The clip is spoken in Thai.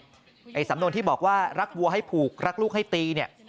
ไอ้สำนวนที่บอกว่ารักวัวให้ผูกรักลูกให้ตีเนี่ย